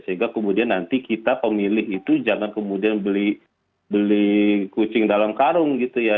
sehingga kemudian nanti kita pemilih itu jangan kemudian beli kucing dalam karung gitu ya